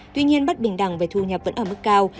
tuy nhiên bất bình đẳng về thu nhập vẫn ở mức cao